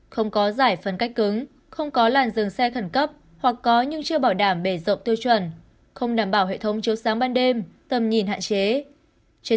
không có giải phân cách cứng không có làn dừng xe khẩn cấp hoặc có nhưng chưa bảo đảm bể rộng tiêu chuẩn không đảm bảo hệ thống chiếu sáng ban đêm tầm nhìn hạn chế